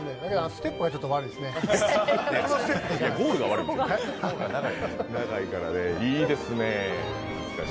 ステップがちょっと悪いですね。